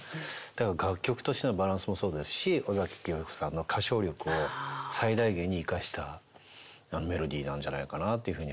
楽曲としてのバランスもそうですし尾崎紀世彦さんの歌唱力を最大限に生かしたメロディーなんじゃないかなっていうふうに。